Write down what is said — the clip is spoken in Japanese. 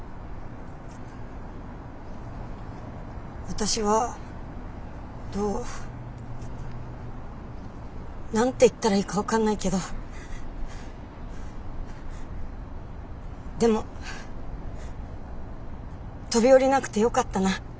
私はどう何て言ったらいいか分かんないけどでも飛び降りなくてよかったな。